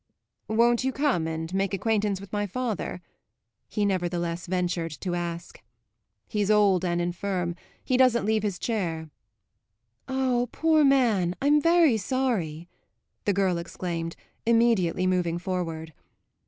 "Won't you come and make acquaintance with my father?" he nevertheless ventured to ask. "He's old and infirm he doesn't leave his chair." "Ah, poor man, I'm very sorry!" the girl exclaimed, immediately moving forward.